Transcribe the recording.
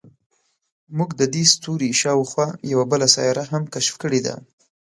موږ د دې ستوري شاوخوا یوه بله سیاره هم کشف کړې ده.